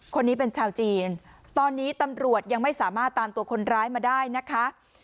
คนนี้เป็นชาวจีนตอนนี้ตำรวจยังไม่สามารถตามตัวคนร้ายมาได้นะคะ